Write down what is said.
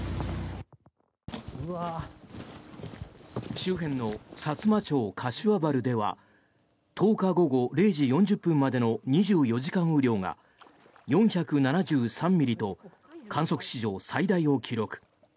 周辺のさつま町柏原では１０日午後０時４０分までの２４時間雨量が４７３ミリと観測史上最大を記録。